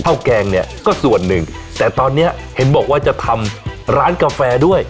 แกงเนี่ยก็ส่วนหนึ่งแต่ตอนเนี้ยเห็นบอกว่าจะทำร้านกาแฟด้วย